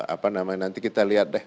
apa namanya nanti kita lihat deh